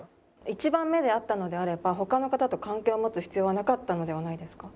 一番目であったのであれば他の方と関係を持つ必要はなかったのではないですか？